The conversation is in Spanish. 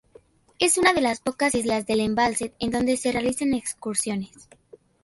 Es una de las pocas islas del embalse en donde se realizan excursiones.